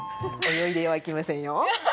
泳いでは行きませんよ！